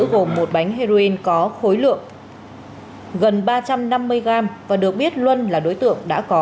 gồm một bánh heroin có khối lượng gần ba trăm năm mươi gram và được biết luân là đối tượng đã có